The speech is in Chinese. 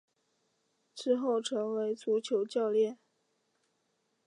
之后成为足球教练。